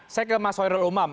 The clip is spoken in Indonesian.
saya ke mas hoirul umam